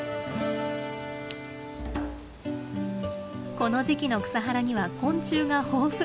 この時期の草原には昆虫が豊富。